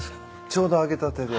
ちょうど揚げたてで。